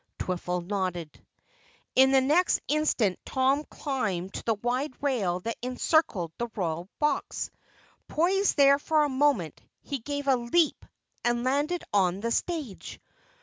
Twiffle nodded. In the next instant Tom climbed to the wide rail that encircled the Royal Box. Poised there for a moment, he gave a leap and landed on the stage.